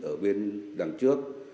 ở bên đằng trước